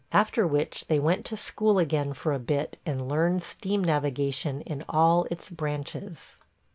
... After which they went to school again for a bit and learned steam navigation in all its branches.